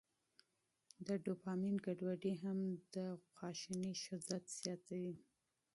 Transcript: د ډوپامین ګډوډي هم د غوسې شدت زیاتوي.